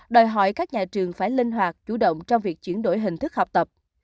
đòi hỏi các nhà trường phải linh hoạt chủ động trong việc chuyển đổi hình thức học tập